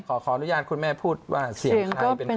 ขออนุญาตคุณแม่พูดว่าเสียงใครเป็นใคร